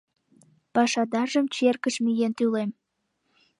Пашадаржым черкыш миен тӱлем...»